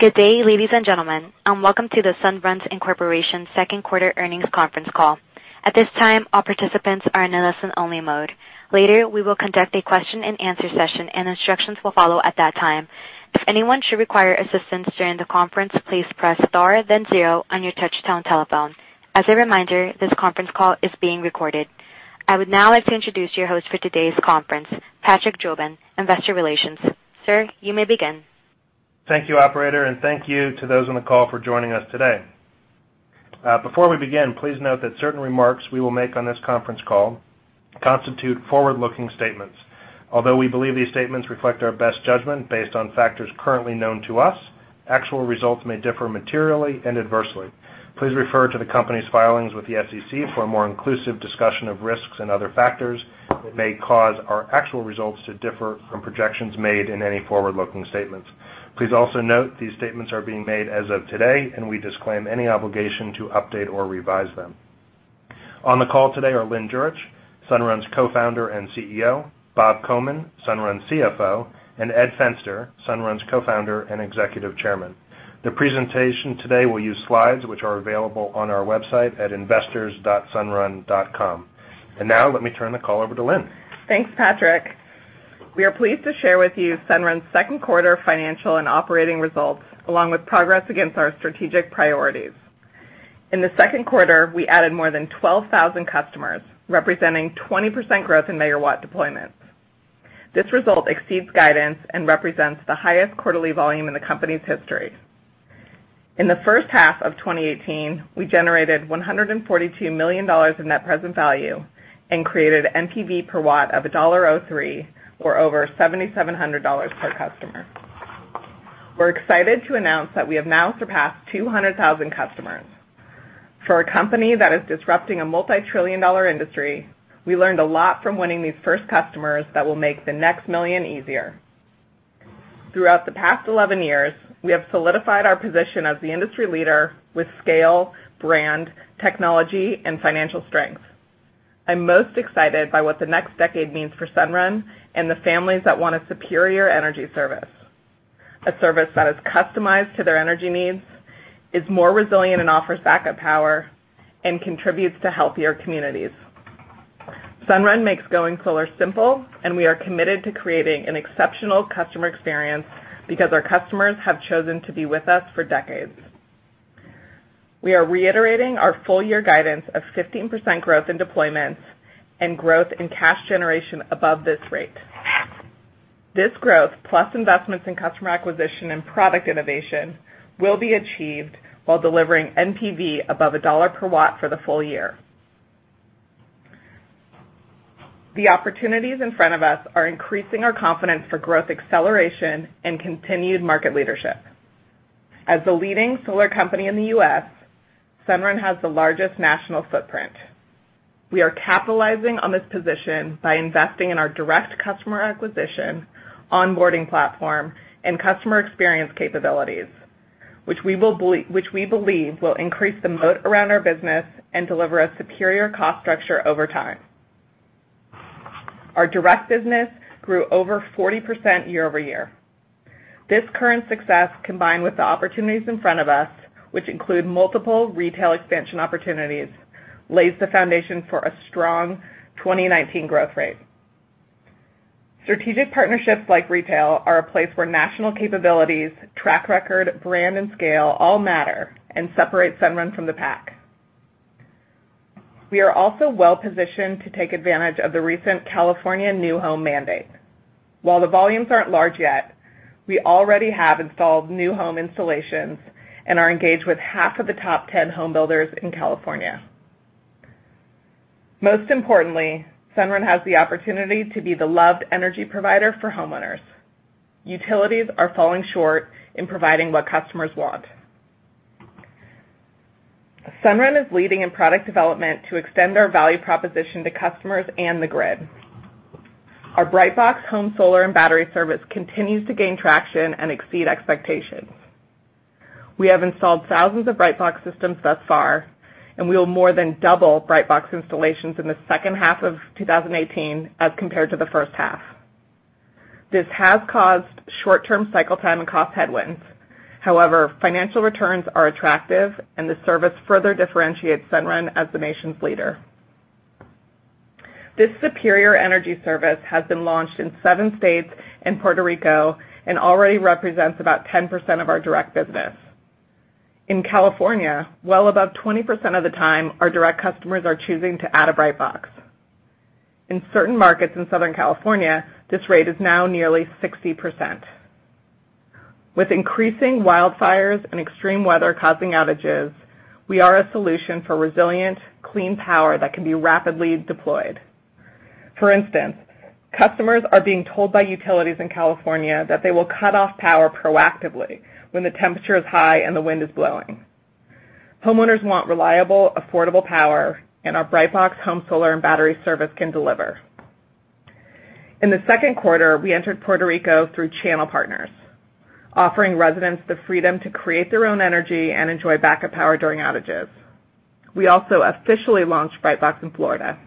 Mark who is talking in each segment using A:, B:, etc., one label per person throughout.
A: Good day, ladies and gentlemen, and welcome to the Sunrun Inc. second quarter earnings conference call. At this time, all participants are in a listen only mode. Later, we will conduct a question and answer session, and instructions will follow at that time. If anyone should require assistance during the conference, please press Star, then Zero on your touchtone telephone. As a reminder, this conference call is being recorded. I would now like to introduce your host for today's conference, Patrick Jobin, investor relations. Sir, you may begin.
B: Thank you, operator, thank you to those on the call for joining us today. Before we begin, please note that certain remarks we will make on this conference call constitute forward-looking statements. Although we believe these statements reflect our best judgment based on factors currently known to us, actual results may differ materially and adversely. Please refer to the company's filings with the SEC for a more inclusive discussion of risks and other factors that may cause our actual results to differ from projections made in any forward-looking statements. Please also note these statements are being made as of today, we disclaim any obligation to update or revise them. On the call today are Lynn Jurich, Sunrun's co-founder and CEO, Bob Komin, Sunrun's CFO, and Edward Fenster, Sunrun's co-founder and executive chairman. The presentation today will use slides which are available on our website at investors.sunrun.com. Now let me turn the call over to Lynn.
C: Thanks, Patrick. We are pleased to share with you Sunrun's second quarter financial and operating results, along with progress against our strategic priorities. In the second quarter, we added more than 12,000 customers, representing 20% growth in megawatt deployments. This result exceeds guidance and represents the highest quarterly volume in the company's history. In the first half of 2018, we generated $142 million in net present value and created NPV per watt of $1.03 or over $7,700 per customer. We're excited to announce that we have now surpassed 200,000 customers. For a company that is disrupting a multi-trillion dollar industry, we learned a lot from winning these first customers that will make the next million easier. Throughout the past 11 years, we have solidified our position as the industry leader with scale, brand, technology, and financial strength. I'm most excited by what the next decade means for Sunrun and the families that want a superior energy service, a service that is customized to their energy needs, is more resilient and offers backup power, and contributes to healthier communities. Sunrun makes going solar simple, and we are committed to creating an exceptional customer experience because our customers have chosen to be with us for decades. We are reiterating our full year guidance of 15% growth in deployments and growth in cash generation above this rate. This growth, plus investments in customer acquisition and product innovation, will be achieved while delivering NPV above $1 per watt for the full year. The opportunities in front of us are increasing our confidence for growth acceleration and continued market leadership. As the leading solar company in the U.S., Sunrun has the largest national footprint. We are capitalizing on this position by investing in our direct customer acquisition, onboarding platform, and customer experience capabilities, which we believe will increase the moat around our business and deliver a superior cost structure over time. Our direct business grew over 40% year-over-year. This current success, combined with the opportunities in front of us, which include multiple retail expansion opportunities, lays the foundation for a strong 2019 growth rate. Strategic partnerships like retail are a place where national capabilities, track record, brand, and scale all matter and separate Sunrun from the pack. We are also well-positioned to take advantage of the recent California new home mandate. While the volumes aren't large yet, we already have installed new home installations and are engaged with half of the top 10 home builders in California. Most importantly, Sunrun has the opportunity to be the loved energy provider for homeowners. Utilities are falling short in providing what customers want. Sunrun is leading in product development to extend our value proposition to customers and the grid. Our Brightbox home solar and battery service continues to gain traction and exceed expectations. We have installed thousands of Brightbox systems thus far, and we will more than double Brightbox installations in the second half of 2018 as compared to the first half. This has caused short-term cycle time and cost headwinds. However, financial returns are attractive, and the service further differentiates Sunrun as the nation's leader. This superior energy service has been launched in seven states and Puerto Rico and already represents about 10% of our direct business. In California, well above 20% of the time, our direct customers are choosing to add a Brightbox. In certain markets in Southern California, this rate is now nearly 60%. With increasing wildfires and extreme weather causing outages, we are a solution for resilient, clean power that can be rapidly deployed. For instance, customers are being told by utilities in California that they will cut off power proactively when the temperature is high and the wind is blowing. Homeowners want reliable, affordable power, and our Brightbox home solar and battery service can deliver. In the second quarter, we entered Puerto Rico through channel partners, offering residents the freedom to create their own energy and enjoy backup power during outages. We also officially launched Brightbox in Florida.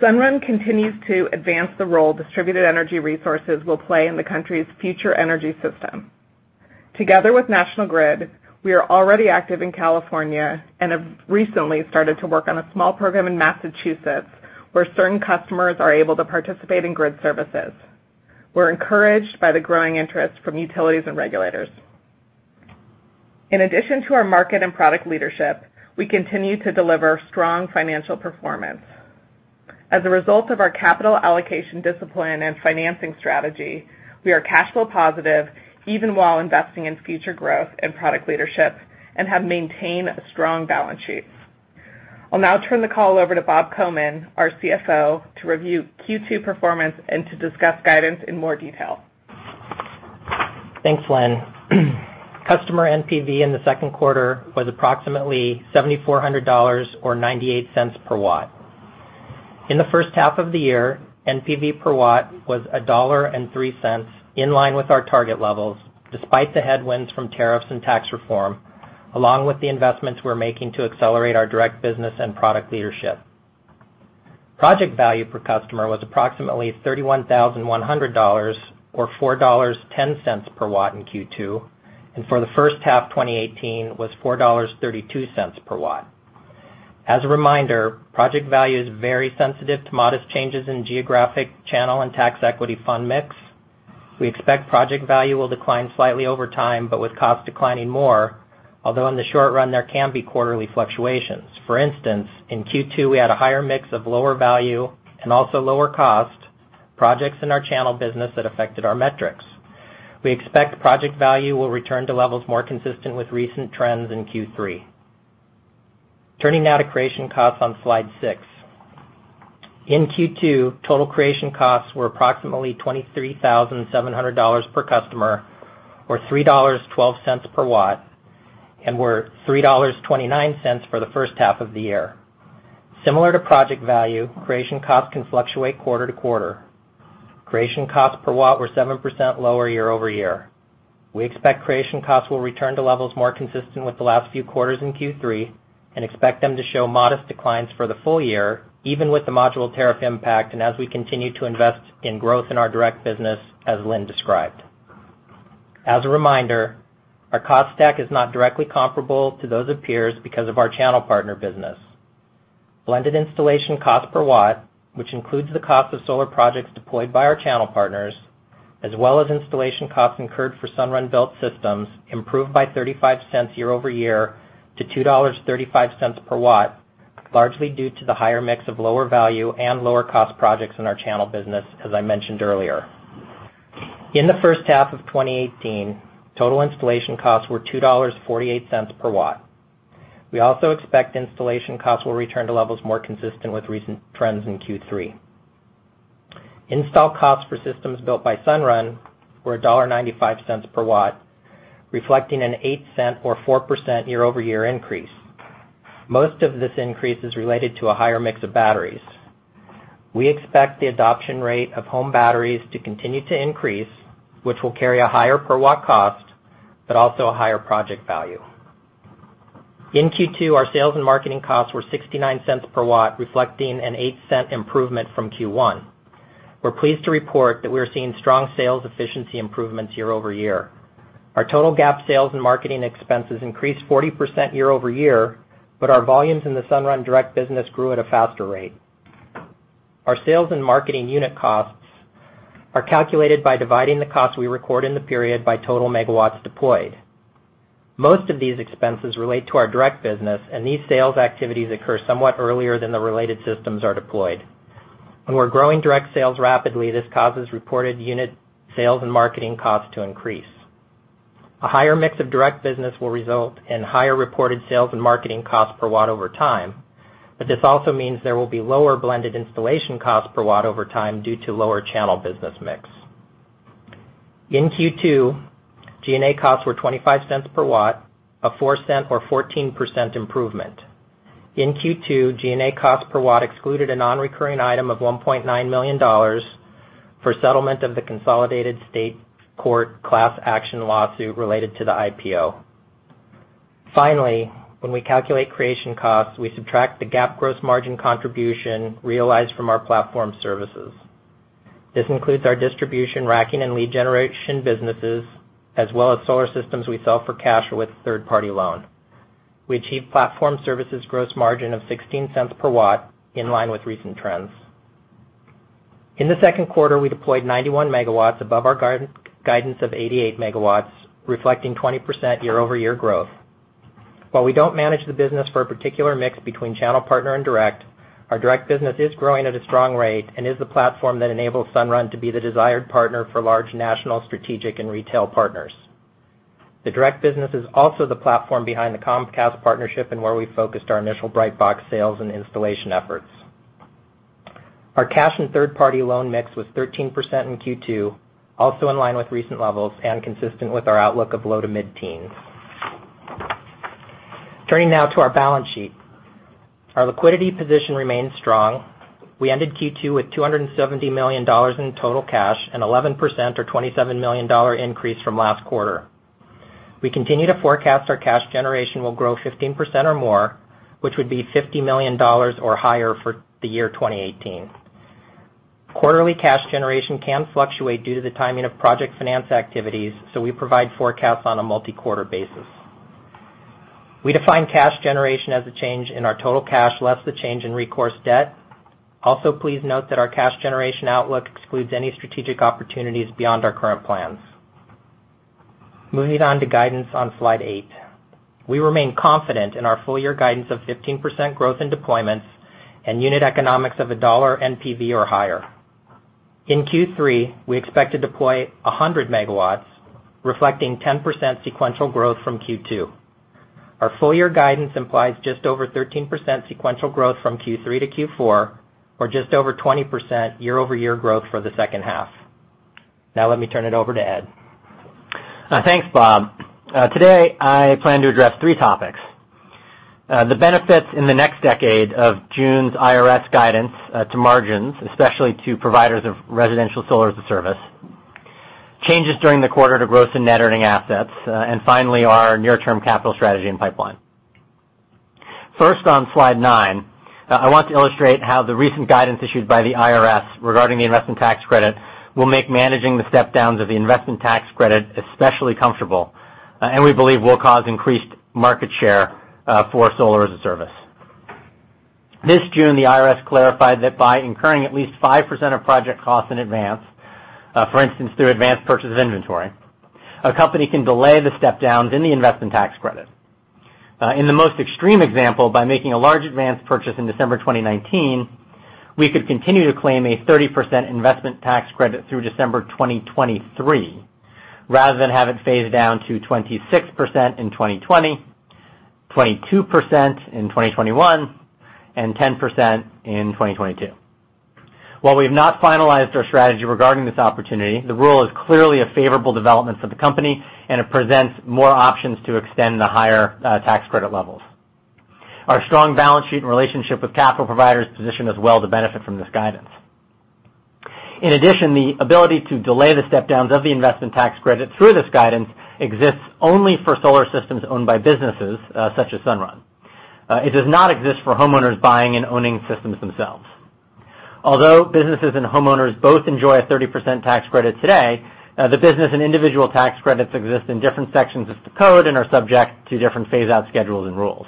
C: Sunrun continues to advance the role distributed energy resources will play in the country's future energy system. Together with National Grid, we are already active in California and have recently started to work on a small program in Massachusetts, where certain customers are able to participate in grid services. We're encouraged by the growing interest from utilities and regulators. In addition to our market and product leadership, we continue to deliver strong financial performance. As a result of our capital allocation discipline and financing strategy, we are cash flow positive even while investing in future growth and product leadership, and have maintained a strong balance sheet. I'll now turn the call over to Bob Komin, our CFO, to review Q2 performance and to discuss guidance in more detail.
D: Thanks, Lynn. Customer NPV in the second quarter was approximately $7,400 or $0.98 per watt. In the first half of the year, NPV per watt was $1.03, in line with our target levels, despite the headwinds from tariffs and tax reform, along with the investments we're making to accelerate our direct business and product leadership. Project value per customer was approximately $31,100 or $4.10 per watt in Q2, and for the first half 2018, was $4.32 per watt. As a reminder, project value is very sensitive to modest changes in geographic channel and tax equity fund mix. We expect project value will decline slightly over time, but with cost declining more, although in the short run, there can be quarterly fluctuations. For instance, in Q2, we had a higher mix of lower value and also lower cost projects in our channel business that affected our metrics. We expect project value will return to levels more consistent with recent trends in Q3. Turning now to creation costs on slide six. In Q2, total creation costs were approximately $23,700 per customer, or $3.12 per watt, and were $3.29 for the first half of the year. Similar to project value, creation costs can fluctuate quarter to quarter. Creation costs per watt were 7% lower year-over-year. We expect creation costs will return to levels more consistent with the last few quarters in Q3, and expect them to show modest declines for the full year, even with the module tariff impact, as we continue to invest in growth in our direct business, as Lynn described. As a reminder, our cost stack is not directly comparable to those of peers because of our channel partner business. Blended installation cost per watt, which includes the cost of solar projects deployed by our channel partners, as well as installation costs incurred for Sunrun built systems, improved by $0.35 year-over-year to $2.35 per watt, largely due to the higher mix of lower value and lower cost projects in our channel business, as I mentioned earlier. In the first half of 2018, total installation costs were $2.48 per watt. We also expect installation costs will return to levels more consistent with recent trends in Q3. Install costs for systems built by Sunrun were $1.95 per watt, reflecting an $0.08 or 4% year-over-year increase. Most of this increase is related to a higher mix of batteries. We expect the adoption rate of home batteries to continue to increase, which will carry a higher per-watt cost, but also a higher project value. In Q2, our sales and marketing costs were $0.69 per watt, reflecting an $0.08 improvement from Q1. We're pleased to report that we are seeing strong sales efficiency improvements year-over-year. Our total GAAP sales and marketing expenses increased 40% year-over-year, but our volumes in the Sunrun direct business grew at a faster rate. Our sales and marketing unit costs are calculated by dividing the cost we record in the period by total MW deployed. Most of these expenses relate to our direct business, and these sales activities occur somewhat earlier than the related systems are deployed. When we're growing direct sales rapidly, this causes reported unit sales and marketing costs to increase. A higher mix of direct business will result in higher reported sales and marketing cost per watt over time, but this also means there will be lower blended installation cost per watt over time due to lower channel business mix. In Q2, G&A costs were $0.25 per watt, a $0.04 or 14% improvement. In Q2, G&A costs per watt excluded a non-recurring item of $1.9 million for settlement of the consolidated state court class action lawsuit related to the IPO. Finally, when we calculate creation costs, we subtract the GAAP gross margin contribution realized from our platform services. This includes our distribution, racking, and lead generation businesses, as well as solar systems we sell for cash or with third-party loan. We achieved platform services gross margin of $0.16 per watt, in line with recent trends. In the second quarter, we deployed 91 MW above our guidance of 88 MW, reflecting 20% year-over-year growth. While we don't manage the business for a particular mix between channel partner and direct, our direct business is growing at a strong rate and is the platform that enables Sunrun to be the desired partner for large national strategic and retail partners. The direct business is also the platform behind the Comcast partnership and where we focused our initial Brightbox sales and installation efforts. Our cash and third-party loan mix was 13% in Q2, also in line with recent levels and consistent with our outlook of low to mid-teens. Turning now to our balance sheet. Our liquidity position remains strong. We ended Q2 with $270 million in total cash, an 11% or $27 million increase from last quarter. We continue to forecast our cash generation will grow 15% or more, which would be $50 million or higher for the year 2018. Quarterly cash generation can fluctuate due to the timing of project finance activities, so we provide forecasts on a multi-quarter basis. We define cash generation as a change in our total cash less the change in recourse debt. Also, please note that our cash generation outlook excludes any strategic opportunities beyond our current plans. Moving on to guidance on slide eight. We remain confident in our full-year guidance of 15% growth in deployments and unit economics of a $1 NPV or higher. In Q3, we expect to deploy 100 MW, reflecting 10% sequential growth from Q2. Our full-year guidance implies just over 13% sequential growth from Q3 to Q4 or just over 20% year-over-year growth for the second half. Now let me turn it over to Ed.
E: Thanks, Bob. Today, I plan to address three topics. The benefits in the next decade of June's IRS guidance to margins, especially to providers of residential solar-as-a-service. Changes during the quarter to gross and Net Earning Assets. Finally, our near-term capital strategy and pipeline. First, on slide nine, I want to illustrate how the recent guidance issued by the IRS regarding the investment tax credit will make managing the step-downs of the investment tax credit especially comfortable, and we believe will cause increased market share for solar-as-a-service. This June, the IRS clarified that by incurring at least 5% of project costs in advance, for instance, through advanced purchase of inventory, a company can delay the step-downs in the investment tax credit. In the most extreme example, by making a large advanced purchase in December 2019, we could continue to claim a 30% investment tax credit through December 2023, rather than have it phase down to 26% in 2020, 22% in 2021, and 10% in 2022. While we've not finalized our strategy regarding this opportunity, the rule is clearly a favorable development for the company, and it presents more options to extend the higher tax credit levels. Our strong balance sheet and relationship with capital providers position us well to benefit from this guidance. In addition, the ability to delay the step-downs of the investment tax credit through this guidance exists only for solar systems owned by businesses such as Sunrun. It does not exist for homeowners buying and owning systems themselves. Although businesses and homeowners both enjoy a 30% tax credit today, the business and individual tax credits exist in different sections of the code and are subject to different phase-out schedules and rules.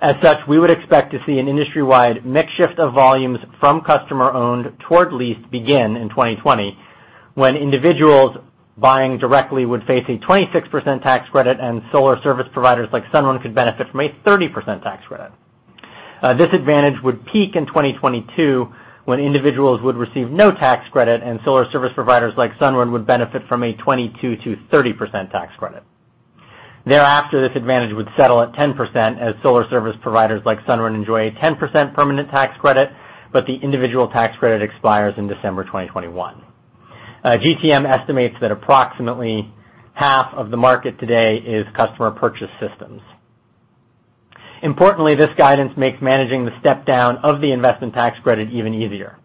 E: As such, we would expect to see an industry-wide mix shift of volumes from customer-owned toward lease begin in 2020, when individuals buying directly would face a 26% tax credit and solar service providers like Sunrun could benefit from a 30% tax credit. This advantage would peak in 2022 when individuals would receive no tax credit and solar service providers like Sunrun would benefit from a 22%-30% tax credit. Thereafter, this advantage would settle at 10% as solar service providers like Sunrun enjoy a 10% permanent tax credit, but the individual tax credit expires in December 2021. GTM estimates that approximately half of the market today is customer purchase systems. Importantly, this guidance makes managing the step-down of the investment tax credit even easier.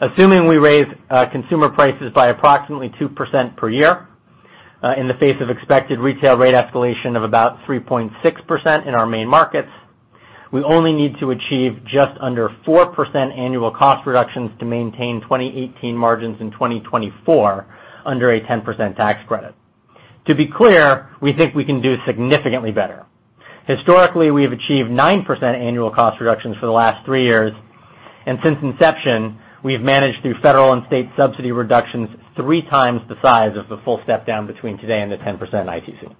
E: Assuming we raise consumer prices by approximately 2% per year in the face of expected retail rate escalation of about 3.6% in our main markets, we only need to achieve just under 4% annual cost reductions to maintain 2018 margins in 2024 under a 10% tax credit. To be clear, we think we can do significantly better. Historically, we have achieved 9% annual cost reductions for the last three years, and since inception, we have managed through federal and state subsidy reductions three times the size of the full step-down between today and the 10% ITC.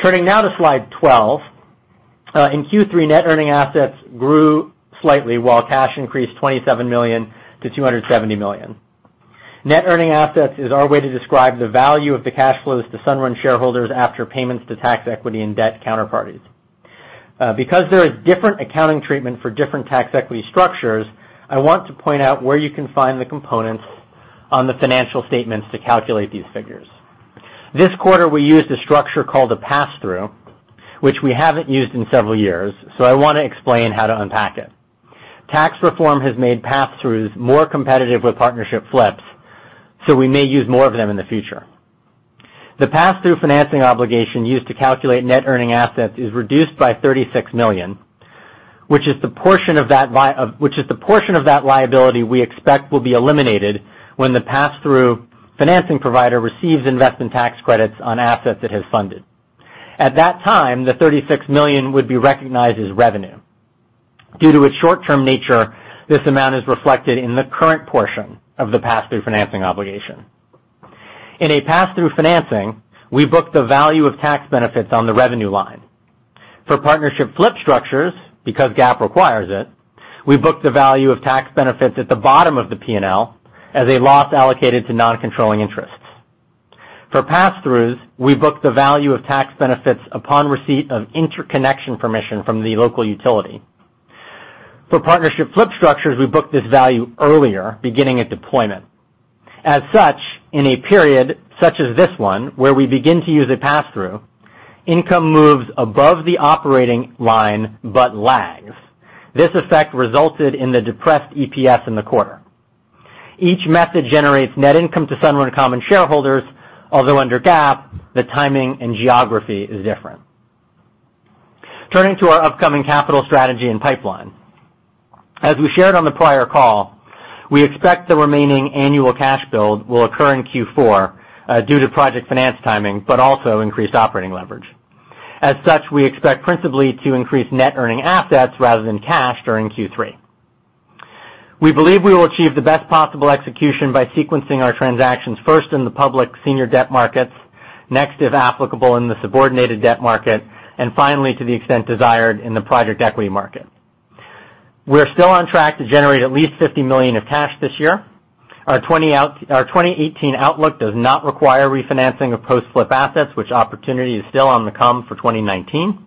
E: Turning now to slide 12. In Q2, Net Earning Assets grew slightly while cash increased $27 million to $270 million. Net Earning Assets is our way to describe the value of the cash flows to Sunrun shareholders after payments to tax equity and debt counterparties. Because there are different accounting treatment for different tax equity structures, I want to point out where you can find the components on the financial statements to calculate these figures. This quarter, we used a structure called a pass-through, which we haven't used in several years, so I want to explain how to unpack it. Tax reform has made pass-throughs more competitive with partnership flips, so we may use more of them in the future. The pass-through financing obligation used to calculate Net Earning Assets is reduced by $36 million, which is the portion of that liability we expect will be eliminated when the pass-through financing provider receives investment tax credits on assets it has funded. At that time, the $36 million would be recognized as revenue. Due to its short-term nature, this amount is reflected in the current portion of the pass-through financing obligation. In a pass-through financing, we book the value of tax benefits on the revenue line. For partnership flip structures, because GAAP requires it, we book the value of tax benefits at the bottom of the P&L as a loss allocated to non-controlling interests. For pass-throughs, we book the value of tax benefits upon receipt of interconnection permission from the local utility. For partnership flip structures, we book this value earlier, beginning at deployment. In a period such as this one, where we begin to use a pass-through, income moves above the operating line but lags. This effect resulted in the depressed EPS in the quarter. Each method generates net income to Sunrun common shareholders, although under GAAP, the timing and geography is different. Turning to our upcoming capital strategy and pipeline. As we shared on the prior call, we expect the remaining annual cash build will occur in Q4 due to project finance timing, but also increased operating leverage. We expect principally to increase Net Earning Assets rather than cash during Q3. We believe we will achieve the best possible execution by sequencing our transactions first in the public senior debt markets, next, if applicable, in the subordinated debt market, and finally, to the extent desired, in the project equity market. We're still on track to generate at least $50 million of cash this year. Our 2018 outlook does not require refinancing of post-flip assets, which opportunity is still on the come for 2019.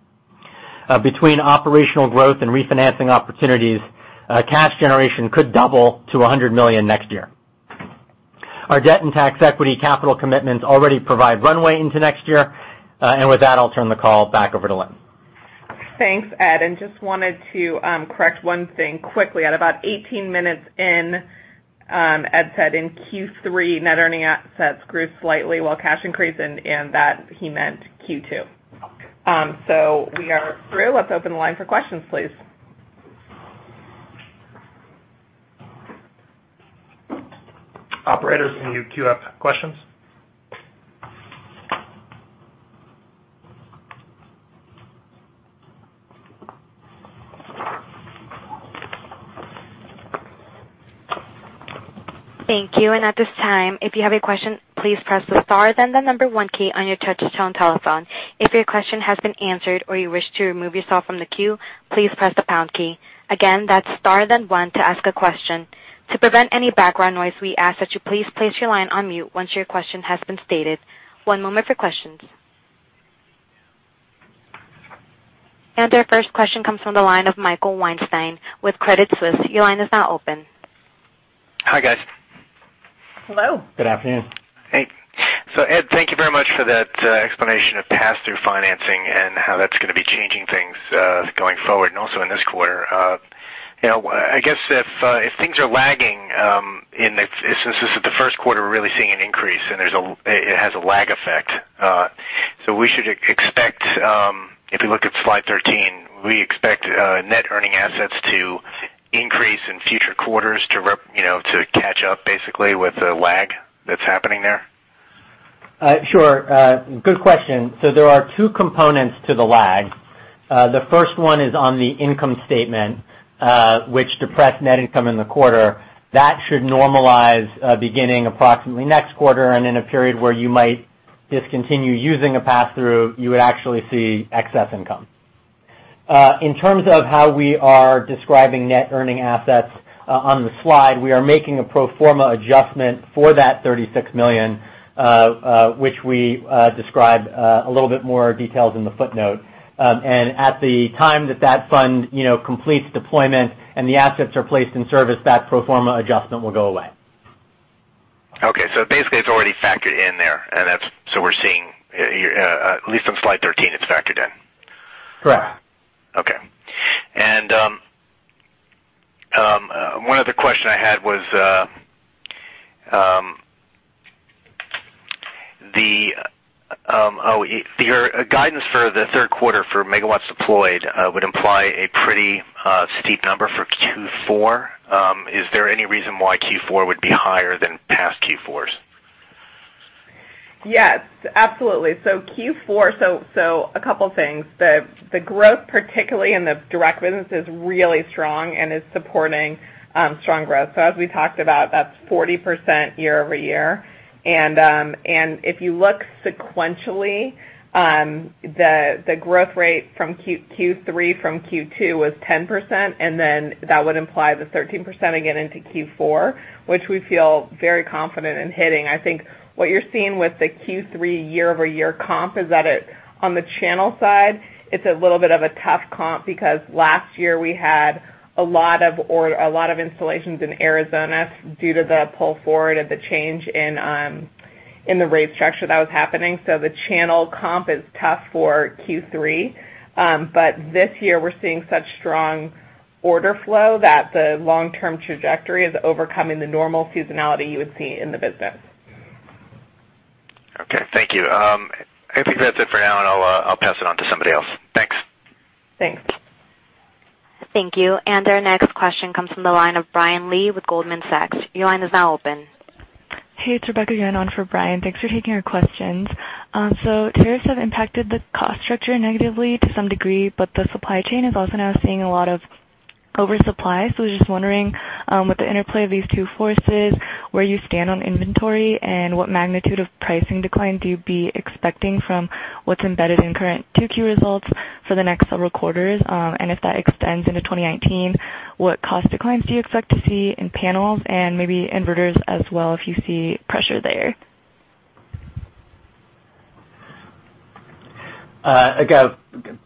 E: Between operational growth and refinancing opportunities, cash generation could double to $100 million next year. Our debt and tax equity capital commitments already provide runway into next year. With that, I'll turn the call back over to Lynn.
C: Thanks, Ed, and just wanted to correct one thing quickly. At about 18 minutes in, Ed said in Q3, Net Earning Assets grew slightly while cash increased, and that he meant Q2. We are through. Let's open the line for questions, please.
E: Operator, can you queue up questions?
A: Thank you. At this time, if you have a question, please press the star, then the one key on your touch-tone telephone. If your question has been answered or you wish to remove yourself from the queue, please press the pound key. Again, that's star then one to ask a question. To prevent any background noise, we ask that you please place your line on mute once your question has been stated. One moment for questions. Our first question comes from the line of Michael Weinstein with Credit Suisse. Your line is now open.
F: Hi, guys.
C: Hello.
E: Good afternoon.
F: Hey. Ed, thank you very much for that explanation of pass-through financing and how that's going to be changing things, going forward and also in this quarter. I guess if things are lagging, and since this is the first quarter we're really seeing an increase and it has a lag effect. We should expect, if we look at slide 13, we expect Net Earning Assets to increase in future quarters to catch up basically with the lag that's happening there?
E: Sure. Good question. There are two components to the lag. The first one is on the income statement, which depressed net income in the quarter. That should normalize, beginning approximately next quarter, and in a period where you might discontinue using a pass-through, you would actually see excess income. In terms of how we are describing Net Earning Assets on the slide, we are making a pro forma adjustment for that $36 million, which we describe a little bit more details in the footnote. At the time that fund completes deployment and the assets are placed in service, that pro forma adjustment will go away.
F: Okay, basically it's already factored in there. At least on slide 13, it's factored in.
E: Correct.
F: Okay. One other question I had was, your guidance for the third quarter for megawatts deployed would imply a pretty steep number for Q4. Is there any reason why Q4 would be higher than past Q4s?
C: Yes, absolutely. A couple things. The growth, particularly in the direct business, is really strong and is supporting strong growth. As we talked about, that's 40% year-over-year. If you look sequentially, the growth rate from Q3 from Q2 was 10%, that would imply the 13% again into Q4, which we feel very confident in hitting. I think what you're seeing with the Q3 year-over-year comp is that on the channel side, it's a little bit of a tough comp because last year we had a lot of installations in Arizona due to the pull forward of the change in the rate structure that was happening. The channel comp is tough for Q3. This year, we're seeing such strong order flow that the long-term trajectory is overcoming the normal seasonality you would see in the business.
F: Okay, thank you. I think that's it for now, I'll pass it on to somebody else. Thanks.
C: Thanks.
A: Thank you. Our next question comes from the line of Brian Lee with Goldman Sachs. Your line is now open.
G: Rebecca Yates on for Brian. Thanks for taking our questions. Tariffs have impacted the cost structure negatively to some degree, but the supply chain is also now seeing a lot of oversupply. I was just wondering, with the interplay of these two forces, where you stand on inventory and what magnitude of pricing decline do you be expecting from what's embedded in current 2Q results for the next several quarters? If that extends into 2019, what cost declines do you expect to see in panels and maybe inverters as well if you see pressure there?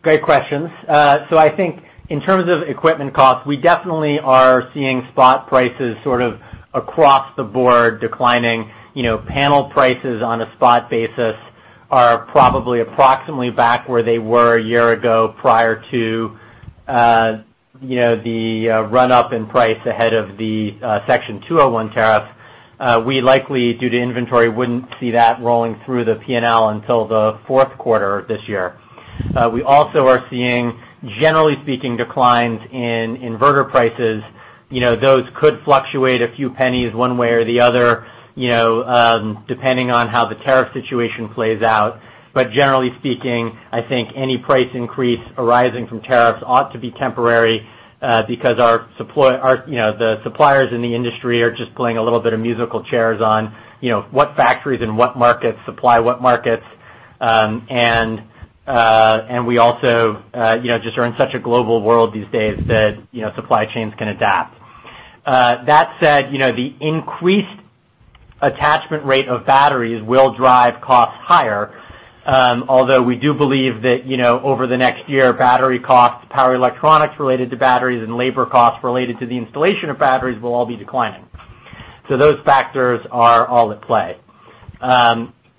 E: Great questions. I think in terms of equipment costs, we definitely are seeing spot prices sort of across the board declining. Panel prices on a spot basis are probably approximately back where they were a year ago, prior to the run-up in price ahead of the Section 201 tariff. We likely, due to inventory, wouldn't see that rolling through the P&L until the fourth quarter of this year. We also are seeing, generally speaking, declines in inverter prices. Those could fluctuate a few pennies one way or the other, depending on how the tariff situation plays out. Generally speaking, I think any price increase arising from tariffs ought to be temporary, because the suppliers in the industry are just playing a little bit of musical chairs on what factories and what markets supply what markets. We also just are in such a global world these days that supply chains can adapt. That said, the increased attachment rate of batteries will drive costs higher, although we do believe that over the next year, battery costs, power electronics related to batteries, and labor costs related to the installation of batteries will all be declining. Those factors are all at play.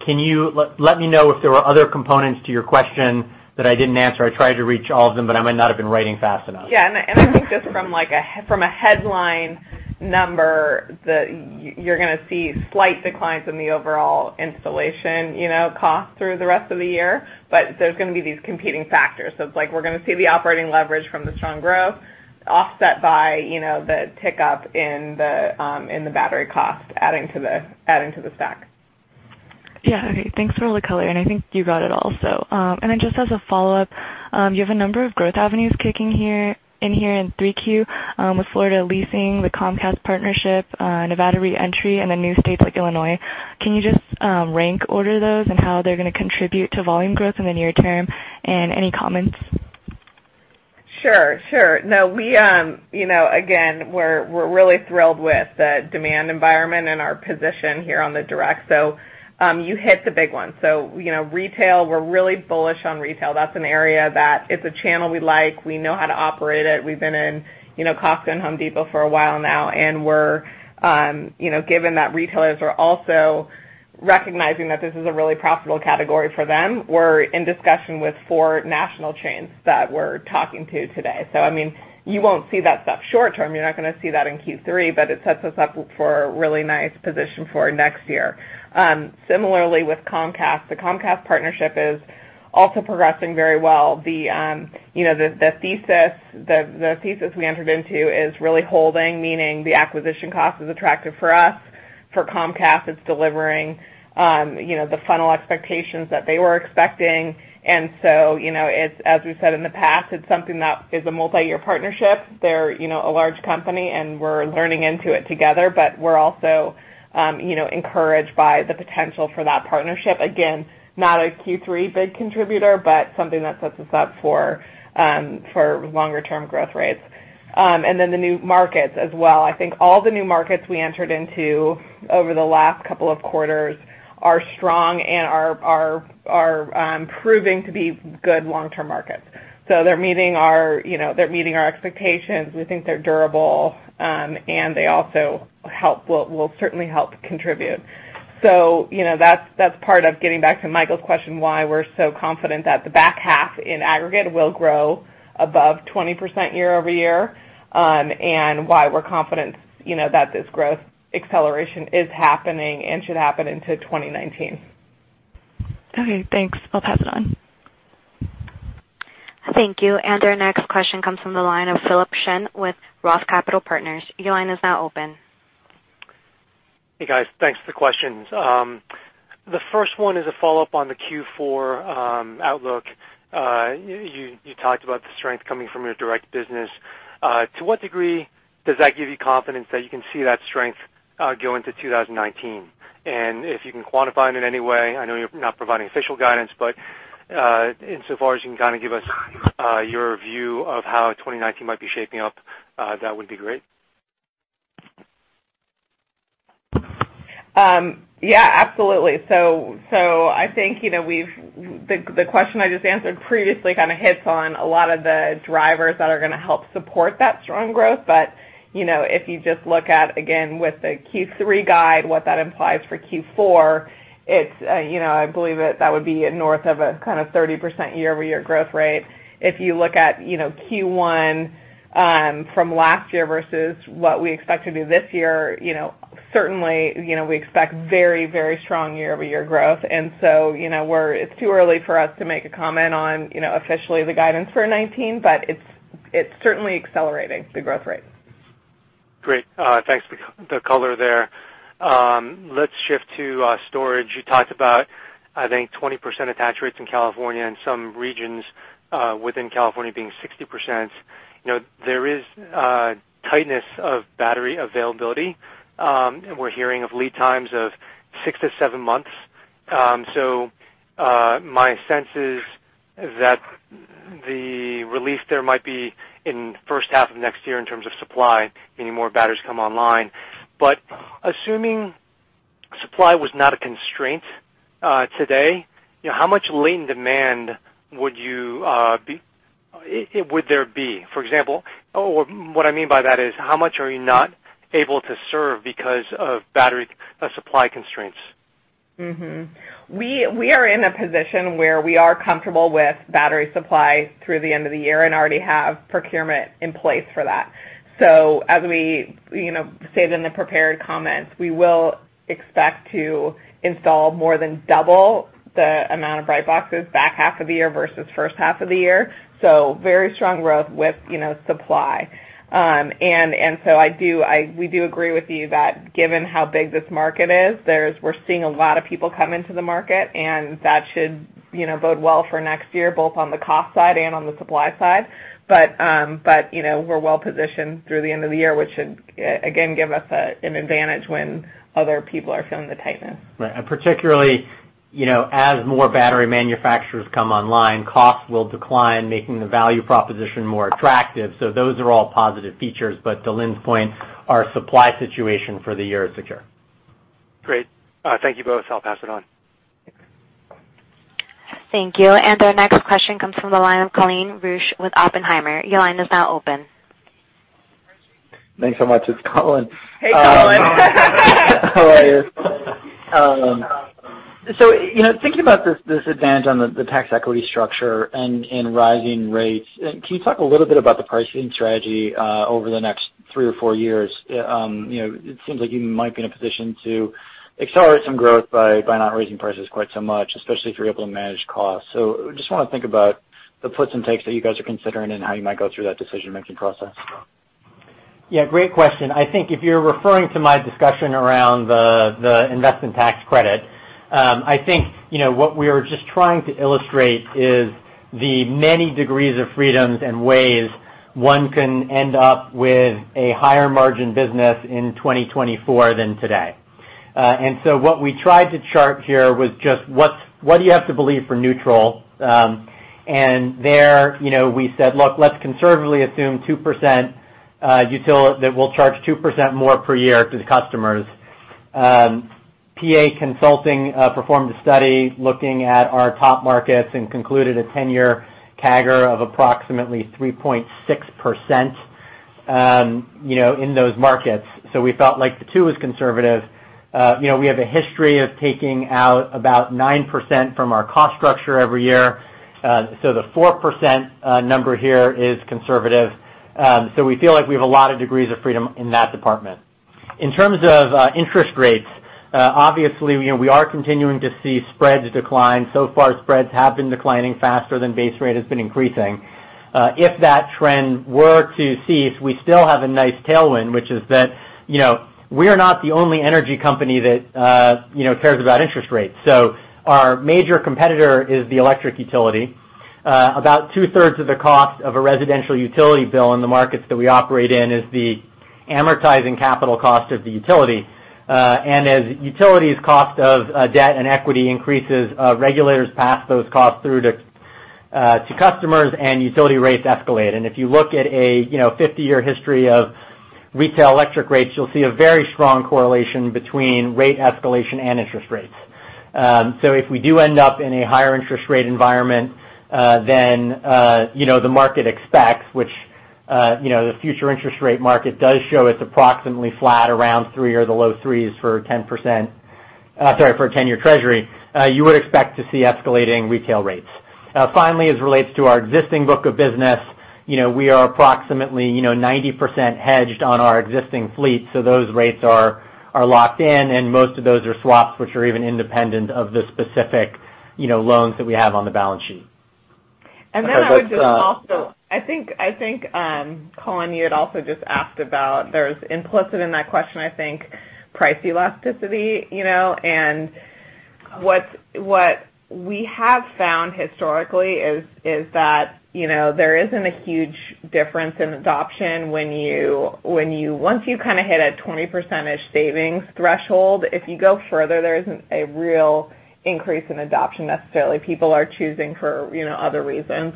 E: Can you let me know if there were other components to your question that I didn't answer? I tried to reach all of them, I might not have been writing fast enough.
C: I think just from a headline number, you're going to see slight declines in the overall installation cost through the rest of the year. There's going to be these competing factors. It's like we're going to see the operating leverage from the strong growth offset by the tick-up in the battery cost adding to the stack.
G: Thanks for all the color. I think you got it all. Just as a follow-up, you have a number of growth avenues kicking in here in 3Q, with Florida leasing, the Comcast partnership, Nevada re-entry, and new states like Illinois. Can you just rank order those and how they're going to contribute to volume growth in the near term, and any comments?
C: Sure. Again, we're really thrilled with the demand environment and our position here on the direct. You hit the big ones. Retail, we're really bullish on retail. That's an area that it's a channel we like. We know how to operate it. We've been in Costco and The Home Depot for a while now, and given that retailers are also recognizing that this is a really profitable category for them, we're in discussion with 4 national chains that we're talking to today. You won't see that stuff short term. You're not going to see that in Q3, but it sets us up for a really nice position for next year. Similarly with Comcast, the Comcast partnership is also progressing very well. The thesis we entered into is really holding, meaning the acquisition cost is attractive for us. For Comcast, it's delivering the funnel expectations that they were expecting. As we've said in the past, it's something that is a multi-year partnership. They're a large company, and we're learning into it together. We're also encouraged by the potential for that partnership. Again, not a Q3 big contributor, but something that sets us up for longer term growth rates. The new markets as well. I think all the new markets we entered into over the last couple of quarters are strong and are proving to be good long-term markets. They're meeting our expectations. We think they're durable. They also will certainly help contribute. That's part of getting back to Michael's question, why we're so confident that the back half, in aggregate, will grow above 20% year-over-year, and why we're confident that this growth acceleration is happening and should happen into 2019.
G: Okay, thanks. I'll pass it on.
A: Thank you. Our next question comes from the line of Philip Shen with ROTH Capital Partners. Your line is now open.
H: Hey, guys. Thanks for the questions. The first one is a follow-up on the Q4 outlook. You talked about the strength coming from your direct business. To what degree does that give you confidence that you can see that strength go into 2019? If you can quantify it in any way, I know you're not providing official guidance, but insofar as you can kind of give us your view of how 2019 might be shaping up, that would be great.
C: Yeah, absolutely. I think the question I just answered previously kind of hits on a lot of the drivers that are going to help support that strong growth. If you just look at, again, with the Q3 guide, what that implies for Q4, I believe that would be north of a kind of 30% year-over-year growth rate. If you look at Q1 from last year versus what we expect to do this year, certainly, we expect very strong year-over-year growth. It's too early for us to make a comment on officially the guidance for 2019, but it's certainly accelerating the growth rate.
H: Great. Thanks for the color there. Let's shift to storage. You talked about, I think, 20% attach rates in California and some regions within California being 60%. There is tightness of battery availability, and we're hearing of lead times of six to seven months. My sense is that the relief there might be in first half of next year in terms of supply, meaning more batteries come online. Assuming supply was not a constraint today, how much latent demand would there be? For example, what I mean by that is how much are you not able to serve because of battery supply constraints?
C: We are in a position where we are comfortable with battery supply through the end of the year and already have procurement in place for that. As we said in the prepared comments, we will expect to install more than double the amount of Brightboxes back half of the year versus first half of the year. Very strong growth with supply. We do agree with you that given how big this market is, we're seeing a lot of people come into the market, and that should bode well for next year, both on the cost side and on the supply side. We're well-positioned through the end of the year, which should, again, give us an advantage when other people are feeling the tightness.
E: Right. Particularly as more battery manufacturers come online, costs will decline, making the value proposition more attractive. Those are all positive features, to Lynn's point, our supply situation for the year is secure.
H: Great. Thank you both. I'll pass it on.
A: Thank you. Our next question comes from the line of Colin Rusch with Oppenheimer. Your line is now open.
I: Thanks so much. It's Colin.
C: Hey, Colin.
I: How are you? Thinking about this advantage on the tax equity structure and rising rates, can you talk a little bit about the pricing strategy over the next three or four years? It seems like you might be in a position to accelerate some growth by not raising prices quite so much, especially if you're able to manage costs. Just want to think about the puts and takes that you guys are considering and how you might go through that decision-making process.
E: Great question. If you're referring to my discussion around the investment tax credit, what we are just trying to illustrate is the many degrees of freedoms and ways one can end up with a higher margin business in 2024 than today. What we tried to chart here was just what do you have to believe for neutral? There we said, "Look, let's conservatively assume that we'll charge 2% more per year to the customers." PA Consulting performed a study looking at our top markets and concluded a 10-year CAGR of approximately 3.6% in those markets. We felt like the two was conservative. We have a history of taking out about 9% from our cost structure every year. The 4% number here is conservative. We feel like we have a lot of degrees of freedom in that department. In terms of interest rates, obviously, we are continuing to see spreads decline. Far, spreads have been declining faster than base rate has been increasing. If that trend were to cease, we still have a nice tailwind, which is that we're not the only energy company that cares about interest rates. Our major competitor is the electric utility. About two-thirds of the cost of a residential utility bill in the markets that we operate in is the amortizing capital cost of the utility. As utilities cost of debt and equity increases, regulators pass those costs through to customers, and utility rates escalate. If you look at a 50-year history of retail electric rates, you'll see a very strong correlation between rate escalation and interest rates. If we do end up in a higher interest rate environment than the market expects, which the future interest rate market does show it's approximately flat around three or the low threes for a 10-year treasury you would expect to see escalating retail rates. Finally, as it relates to our existing book of business we are approximately 90% hedged on our existing fleet, so those rates are locked in, and most of those are swaps, which are even independent of the specific loans that we have on the balance sheet.
C: I would just also, Colin, you had also just asked about, there's implicit in that question, price elasticity. What we have found historically is that there isn't a huge difference in adoption when you Once you hit a 20% savings threshold, if you go further, there isn't a real increase in adoption necessarily. People are choosing for other reasons.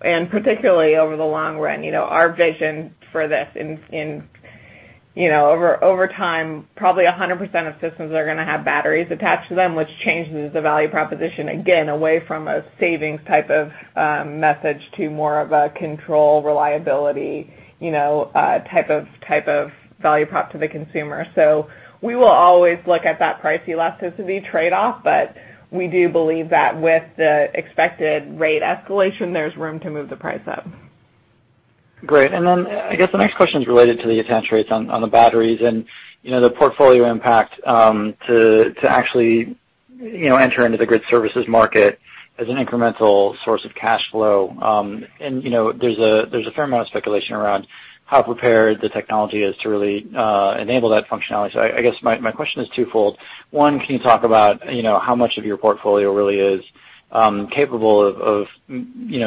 C: Particularly over the long run, our vision for this over time, probably 100% of systems are going to have batteries attached to them, which changes the value proposition, again, away from a savings type of message to more of a control, reliability type of value prop to the consumer. We will always look at that price elasticity trade-off, but we do believe that with the expected rate escalation, there's room to move the price up.
I: Great. I guess the next question is related to the attach rates on the batteries and the portfolio impact to actually enter into the grid services market as an incremental source of cash flow. There's a fair amount of speculation around how prepared the technology is to really enable that functionality. I guess my question is twofold. One, can you talk about how much of your portfolio really is capable of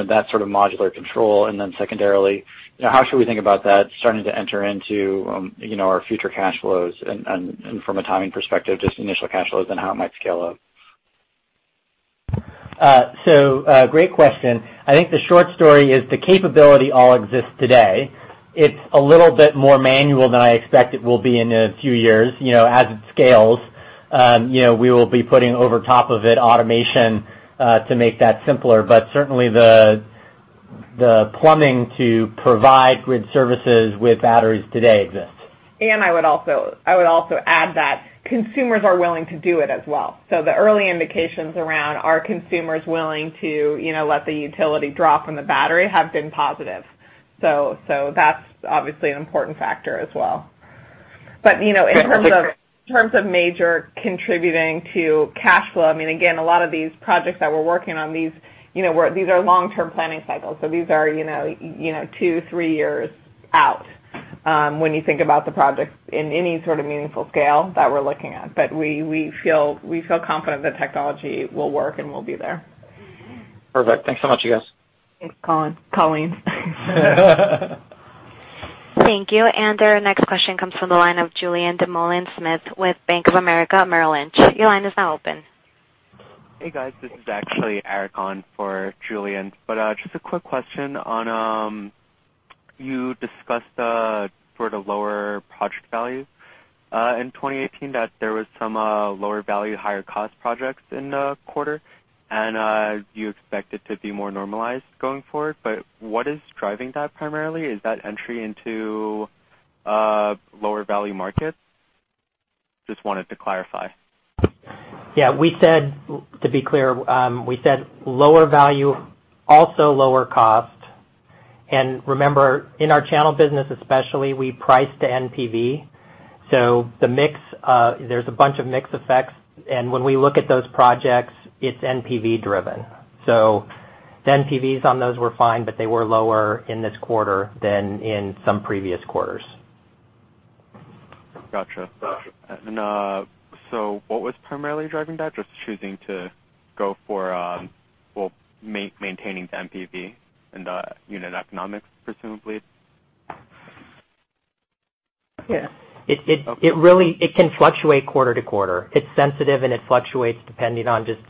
I: that sort of modular control? And then secondarily, how should we think about that starting to enter into our future cash flows and from a timing perspective, just initial cash flows and how it might scale up?
E: Great question. I think the short story is the capability all exists today. It's a little bit more manual than I expect it will be in a few years as it scales.
D: We will be putting over top of it automation to make that simpler. Certainly the plumbing to provide grid services with batteries today exists.
C: I would also add that consumers are willing to do it as well. The early indications around are consumers willing to let the utility draw from the battery have been positive. That's obviously an important factor as well. In terms of major contributing to cash flow, I mean, again, a lot of these projects that we're working on, these are long-term planning cycles. These are two, three years out, when you think about the projects in any sort of meaningful scale that we're looking at. We feel confident the technology will work and will be there.
I: Perfect. Thanks so much you guys.
C: Thanks, Colin.
A: Thank you. Our next question comes from the line of Julien Dumoulin-Smith with Bank of America Merrill Lynch. Your line is now open.
J: Hey, guys. This is actually Eric on for Julien. Just a quick question on, you discussed the sort of lower project value, in 2018, that there was some lower value, higher-cost projects in the quarter, and you expect it to be more normalized going forward. What is driving that primarily? Is that entry into lower value markets? Just wanted to clarify.
D: Yeah, to be clear, we said lower value, also lower cost. Remember, in our channel business especially, we price to NPV. There's a bunch of mix effects, and when we look at those projects, it's NPV-driven. The NPVs on those were fine, but they were lower in this quarter than in some previous quarters.
J: Got you. What was primarily driving that? Just choosing to go for maintaining the NPV and the unit economics, presumably?
C: Yeah. It can fluctuate quarter to quarter. It's sensitive, and it fluctuates depending on just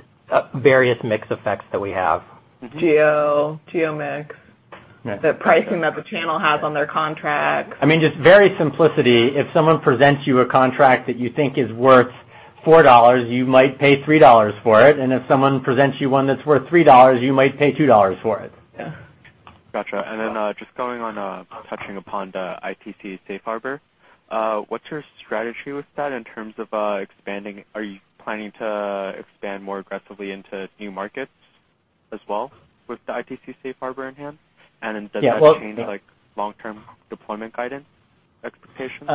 C: various mix effects that we have. Geo mix.
D: Yeah.
C: The pricing that the channel has on their contract.
D: I mean, just very simply. If someone presents you a contract that you think is worth $4, you might pay $3 for it. If someone presents you one that's worth $3, you might pay $2 for it.
C: Yeah.
J: Got you. Then, just touching upon the ITC safe harbor, what's your strategy with that in terms of expanding? Are you planning to expand more aggressively into new markets as well with the ITC safe harbor in hand? Does that change like long-term deployment guidance expectations?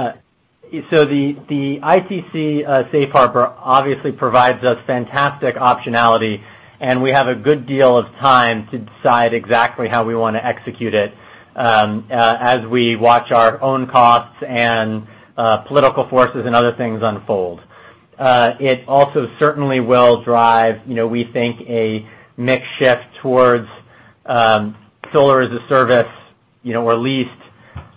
E: The ITC safe harbor obviously provides us fantastic optionality, and we have a good deal of time to decide exactly how we want to execute it, as we watch our own costs and political forces and other things unfold. It also certainly will drive, we think, a mix shift towards solar-as-a-service or leased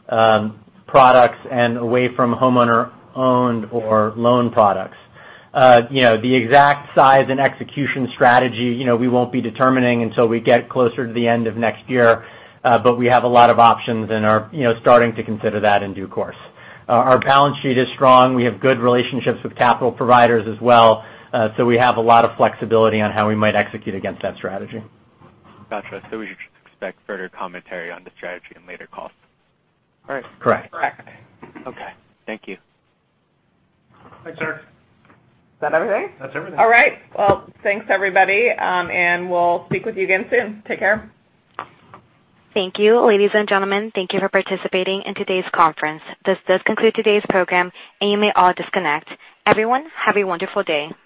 E: products and away from homeowner-owned or loan products. The exact size and execution strategy, we won't be determining until we get closer to the end of next year. We have a lot of options and are starting to consider that in due course. Our balance sheet is strong. We have good relationships with capital providers as well. We have a lot of flexibility on how we might execute against that strategy.
J: Got you. We should expect further commentary on the strategy in later calls?
E: Correct. Correct.
J: Okay, thank you.
C: Thanks, Eric. Is that everything? That's everything. All right. Well, thanks everybody, we'll speak with you again soon. Take care.
A: Thank you, ladies and gentlemen. Thank you for participating in today's conference. This does conclude today's program, you may all disconnect. Everyone, have a wonderful day.